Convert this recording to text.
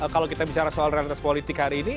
kalau kita bicara soal realitas politik hari ini